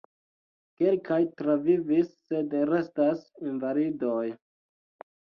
Kelkaj travivis sed restas invalidoj.